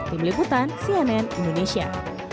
tim liputan cnn indonesia